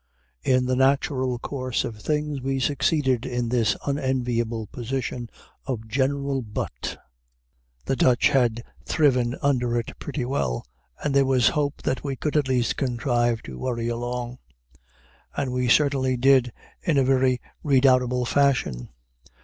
In the natural course of things we succeeded to this unenviable position of general butt. The Dutch had thriven under it pretty well, and there was hope that we could at least contrive to worry along. And we certainly did in a very redoubtable fashion.